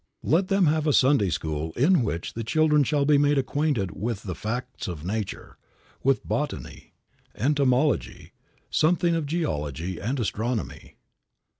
Let them have a Sunday school in which the children shall be made acquainted with the facts of nature; with botany, entomology, something of geology and astronomy.